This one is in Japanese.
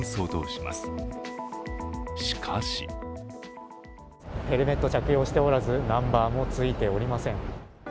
しかしヘルメットを着用しておらずナンバーもついておりません。